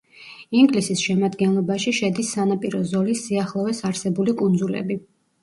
ინგლისის შემადგენლობაში შედის სანაპირო ზოლის სიახლოვეს არსებული კუნძულები.